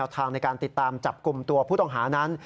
ตามจับกลุ่มตัวผู้ต้องหานั้น